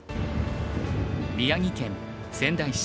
宮城県仙台市。